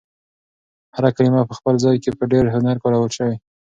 هر کلمه په خپل ځای کې په ډېر هنر کارول شوې.